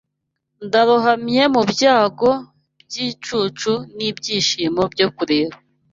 Ndarohamye mubyago byicucu nibyishimo byo kureba